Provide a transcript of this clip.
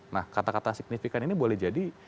nah kata kata signifikan ini boleh jadi